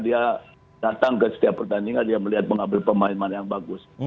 dia datang ke setiap pertandingan dia melihat mengambil pemain pemain yang bagus